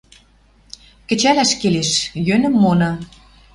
Кӹчӓлӓш келеш, йӧнӹм мона.